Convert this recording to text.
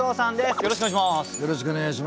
よろしくお願いします。